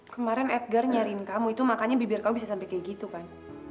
kemarin edgar nyiarin kamu itu makanya bibir kamu bisa sampai kayak gitu kan